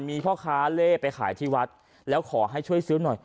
มีพ่อค้าเล่ไปขายที่วัดแล้วขอให้ช่วยซื้อหน่อย